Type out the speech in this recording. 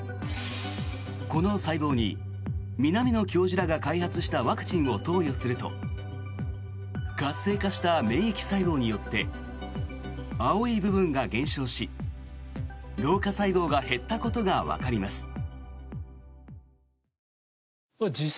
この細胞に南野教授らが開発したワクチンを投与すると活性化した免疫細胞によって青い部分が減少し老化細胞が減ったことがわかります。